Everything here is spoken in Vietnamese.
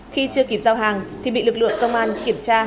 khi chưa kịp giao hàng thì bị lực lượng công an kiểm tra